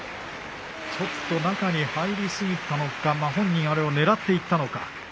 ちょっと中に入り過ぎたのか、本人、あれをねらっていったのか。